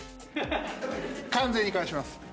完全に返します。